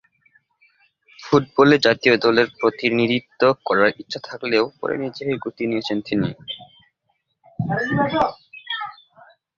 ফুটবলে জাতীয় দলের প্রতিনিধিত্ব করার ইচ্ছা থাকলেও পরে নিজেকে গুটিয়ে নিয়েছেন তিনি।